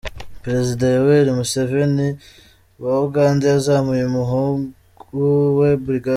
Perezida Yoweri Museveni wa Uganda yazamuye umuhungu we Brig.